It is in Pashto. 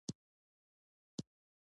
ګاز د افغانانو ژوند اغېزمن کوي.